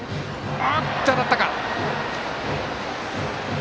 当たったか。